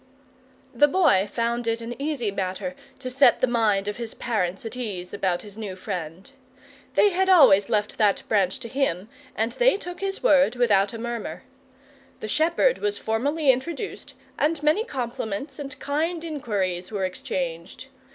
The Boy found it an easy matter to set the mind of his parents' at ease about his new friend. They had always left that branch to him, and they took his word without a murmur. The shepherd was formally introduced and many compliments and kind inquiries were exchanged.